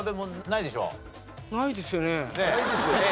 ないですよね。